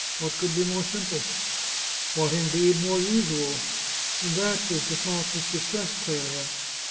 What could be more simple ? What, indeed, more usual ? And that was the thought which distressed Clelia.